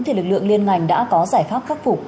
thì lực lượng liên ngành đã có giải pháp khắc phục